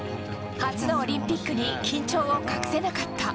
初のオリンピックに緊張を隠せなかった。